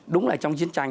đúng là trong chiến tranh